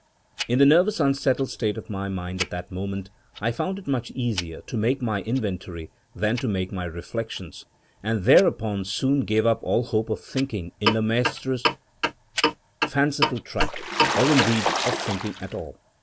In the nervous unsettled state of my mind at that moment, I found it much easier to make my inventory than to make my reflections, and thereupon soon gave up all hope of thinking in Le Maistre's fanciful track — or, indeed, of thinking at all.